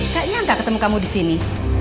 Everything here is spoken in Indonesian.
gak nyangka ketemu kamu disini